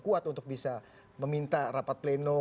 kuat untuk bisa meminta rapat pleno